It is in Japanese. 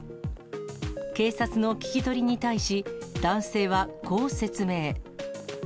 警察の聞き取りに対し、男性はこう説明。